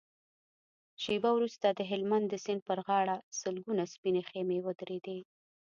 شېبه وروسته د هلمند د سيند پر غاړه سلګونه سپينې خيمې ودرېدې.